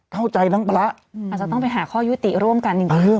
เข้าใจทั้งพระอืมอาจจะต้องไปหาข้อยุติร่วมกันอย่างเงี้ย